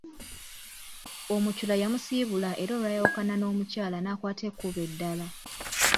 Omukyula yamusiibula era olwayawukana n’omukyala n’akwata ekkubo eddala.